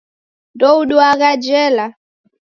Ndouduagha jela.